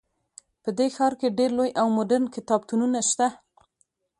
په دې ښار کې ډیر لوی او مدرن کتابتونونه شته